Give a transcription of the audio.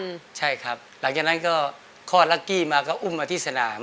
ใช่ครับหลังจากนั้นก็คลอดลักกี้มาก็อุ้มมาที่สนาม